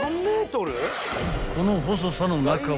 ［この細さの］